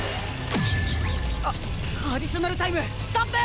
あっアディショナルタイム３分！